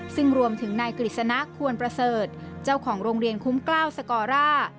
ซึ่งรวมถึงนายกฤษณะควรประเสริฐเจ้าของโรงเรียนคุ้มกล้าวสกอร่า